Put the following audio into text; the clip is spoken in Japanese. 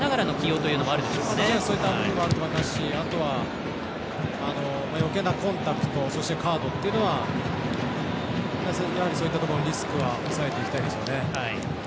そういう感じもあると思いますしあとは、よけいなコンタクトそして、カードっていうのはそういったところのリスクは抑えていきたいですよね。